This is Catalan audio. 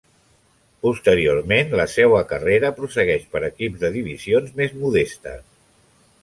Posteriorment, la seua carrera prossegueix per equips de divisions més modestes.